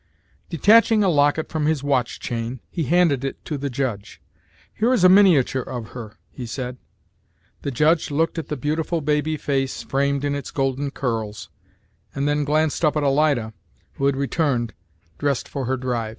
Detaching a locket from his watch chain, he handed it to the judge. "Here is a miniature of her," he said. The judge looked at the beautiful baby face framed in its golden curls, and then glanced up at Alida, who had returned, dressed for her drive.